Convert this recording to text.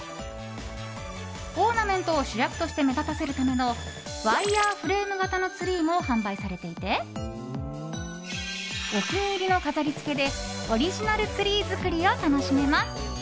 オーナメントを主役として目立たせるためのワイヤフレーム型のツリーも販売されていてお気に入りの飾りつけでオリジナルツリー作りを楽しめます。